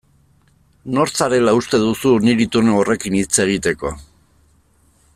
Nor zarela uste duzu niri tonu horrekin hitz egiteko?